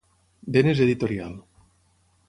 Denes Editorial.